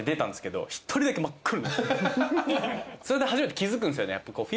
それで初めて気付くんすよね。